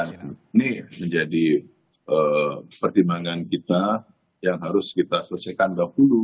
ini menjadi pertimbangan kita yang harus kita selesaikan dahulu